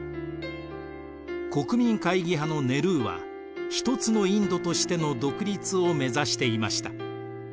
国民会議派のネルーは一つのインドとしての独立を目指していました。